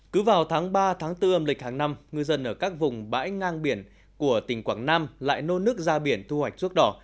cứ vào tháng ba tháng bốn âm lịch hàng năm ngư dân ở các vùng bãi ngang biển của tỉnh quảng nam lại nôn nước ra biển thu hoạch ruốc đỏ